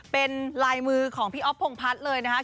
เป็นลายมือของพี่อ๊อฟพงพัฒน์เลยนะครับ